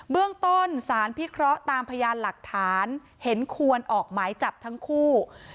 เรื่องต้นสารพิเคราะห์ตามพยานหลักฐานเห็นควรออกหมายจับทั้งคู่